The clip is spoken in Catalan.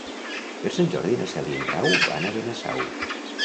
Per Sant Jordi na Cel i en Grau van a Benasau.